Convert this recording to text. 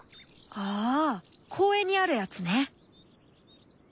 あ公園にあるやつね。